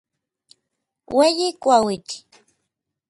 Ueyi kuauitl.